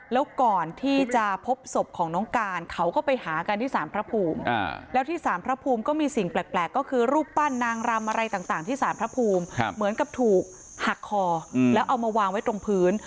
แล้วก่อนที่จะพบศพของน้องการเขาก็ไปหากันที่สารพระภูมิแล้วที่สารพระภูมิก็มีสิ่งแปลกก็คือรูปปั้นนางรำอะไรต่างที่สารพระภูมิเหมือนกับถูกหักคอแล้วเอามาวางไว้ตรงพื้น